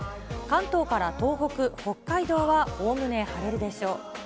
関東から東北、北海道はおおむね晴れるでしょう。